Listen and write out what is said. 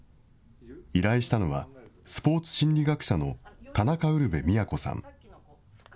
依頼したのは、スポーツ心理学者の田中ウルヴェ京さん。